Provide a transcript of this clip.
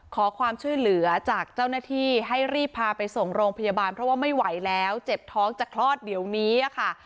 ขอความช่วยเหลือจากเจ้าหน้าที่ให้รีบพาไปส่งโรงพยาบาลเพราะว่าไม่ไหวแล้วเจ็บท้องจะคลอดเดี๋ยวนี้ค่ะ